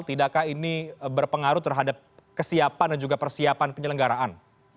tidakkah ini berpengaruh terhadap kesiapan dan juga persiapan penyelenggaraan